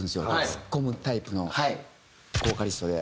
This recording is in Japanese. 突っ込むタイプのボーカリストで。